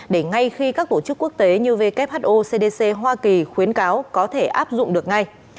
để ngay khi các tổ chức quốc tế như who cdc hoa kỳ khuyến cáo có thể áp dụng được ngay